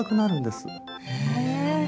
へえ。